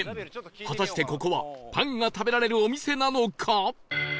果たしてここはパンが食べられるお店なのか？